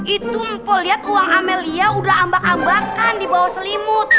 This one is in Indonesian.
itu mpo lihat uang amelia udah ambak ambakan di bawah selimut